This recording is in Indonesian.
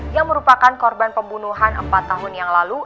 yang merupakan korban pembunuhan empat tahun yang lalu